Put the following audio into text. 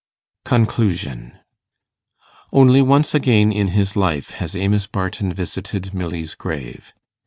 CONCLUSION Only once again in his life has Amos Barton visited Milly's grave.